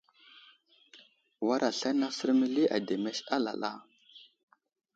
War aslane asər məli ademes alala.